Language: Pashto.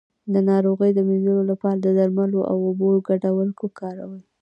د ناروغۍ د مینځلو لپاره د درملو او اوبو ګډول وکاروئ